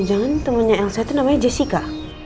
eh jangan jangan temennya elsa itu namanya jessica